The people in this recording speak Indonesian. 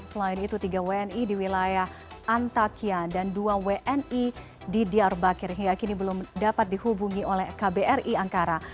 selain itu tiga wni di wilayah antakia dan dua wni di diarbakir hingga kini belum dapat dihubungi oleh kbri angkara